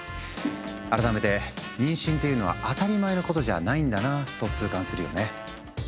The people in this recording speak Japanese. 改めて妊娠っていうのは当たり前のことじゃないんだなと痛感するよね。